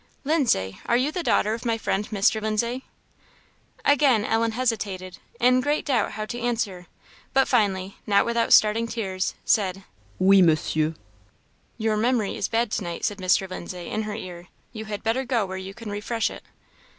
"Lindsay! Are you the daughter of my friend Mr. Lindsay?" Again Ellen hesitated, in great doubt how to answer, but finally, not without starting tears, said "Oui, Monsieur." "Your memory is bad to night," said Mr. Lindsay, in her ear; "you had better go where you can refresh it."